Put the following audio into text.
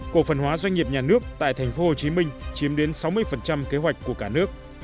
cổ phần hóa doanh nghiệp nhà nước tại thành phố hồ chí minh chiếm đến sáu mươi kế hoạch của cả nước